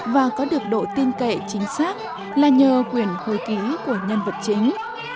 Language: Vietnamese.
và có được độ tin cậy chính xác là nhờ quyền hồi ký của nhân vật chính